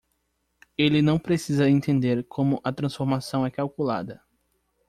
Ele não precisa entender como a transformação é calculada.